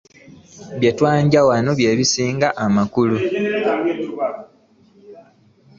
Bye twanja wano bye bisinga obukulu.